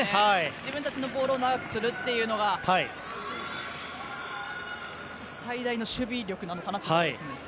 自分たちのボールを長くするというのが最大の守備力なのかと思います。